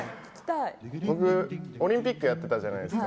僕オリンピックやってたじゃないですか。